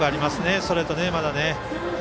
ストレート、まだね。